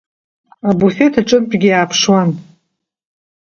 Абуфеҭ аҿынтәгьы иааԥшуан.